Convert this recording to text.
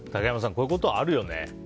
こういうことあるよね。